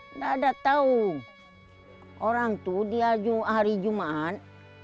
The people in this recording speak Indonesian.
tidak ada yang tahu orang itu dihantar hari jumaat